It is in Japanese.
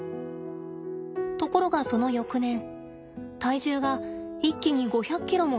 ところがその翌年体重が一気に５００ｋｇも減ってしまいました。